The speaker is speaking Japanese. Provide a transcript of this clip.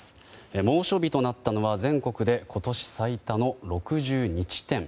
猛暑日となったのは全国で今年最多の６２地点。